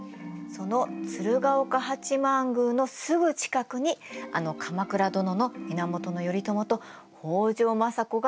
その鶴岡八幡宮のすぐ近くにあの鎌倉殿の源頼朝と北条政子が住んでました。